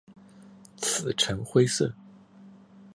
刺呈灰色。